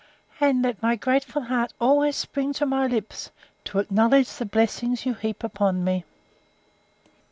And let my grateful heart always spring to my lips, to acknowledge the blessings you heap upon me.